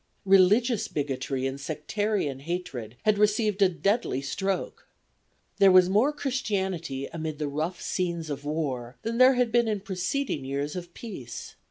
Religious bigotry and sectarian hatred had received a deadly stroke. There was more Christianity amid the rough scenes of war than there had been in preceding years of peace.